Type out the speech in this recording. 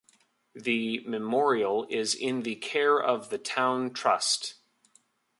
The Memorial is in the care of the Town Trust.